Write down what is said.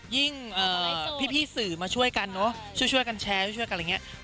ยิ่งพี่สื่อมาช่วยกันเนอะช่วยกันแชร์ช่วยกันอะไรอย่างนี้